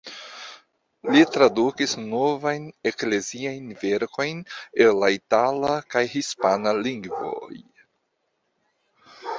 Li tradukis novajn ekleziajn verkojn el la itala kaj hispana lingvoj.